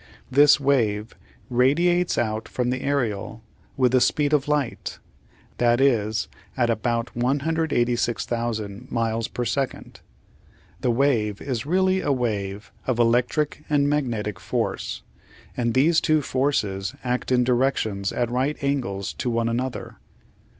This wave radiates out from the aerial with the speed of light, that is, at about 186,000 miles per second. The wave is really a wave of electric and magnetic force, and these two forces act in directions at right angles to one another.